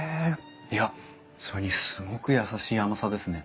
いやそれにすごく優しい甘さですね。